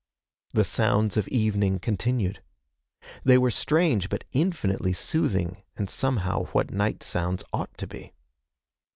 The sounds of evening continued. They were strange but infinitely soothing and somehow what night sounds ought to be.